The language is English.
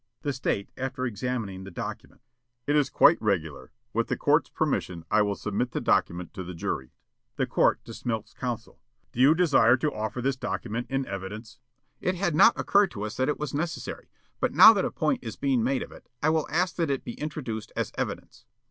The State, after examining the document: "It is quite regular. With the court's permission, I will submit the document to the jury." The Court, to Smilk's counsel: "Do you desire to offer this document in evidence?" Counsel: "It had not occurred to us that it was necessary, but now that a point is being made of it, I will ask that it be introduced as evidence."